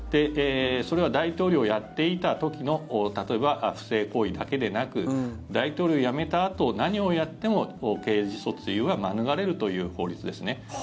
それは大統領をやっていた時の例えば不正行為だけでなく大統領辞めたあと何をやっても刑事訴追は免れるという法律ですね。